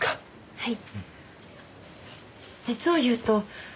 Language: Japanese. はい。